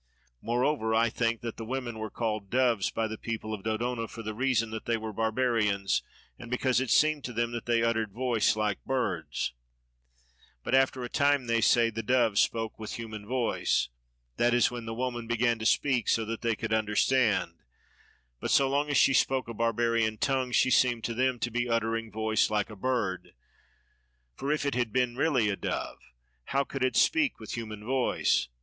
Moreover, I think that the women were called doves by the people of Dodona for the reason that they were barbarians and because it seemed to them that they uttered voice like birds; but after a time (they say) the dove spoke with human voice, that is when the woman began to speak so that they could understand; but so long as she spoke a Barbarian tongue she seemed to them to be uttering voice like a bird: for if it had been really a dove, how could it speak with human voice?